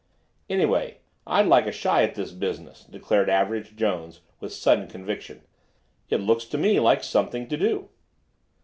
"Anyway, I'd like a shy at this business," declared Average Jones with sudden conviction. "It looks to me like something to do."